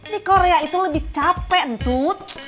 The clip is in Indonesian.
di korea itu lebih capek tuh